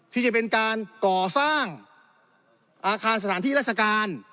ที่จะเป็นการก่อสร้างอาคารสถานที่ราชการ